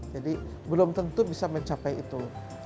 jadi belum tentu bisa mencapai itu